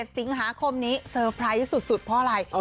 สิงหาคมนี้เซอร์ไพรส์สุดเพราะอะไร